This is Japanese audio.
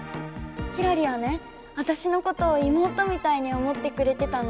ひらりはねわたしのことを妹みたいに思ってくれてたの。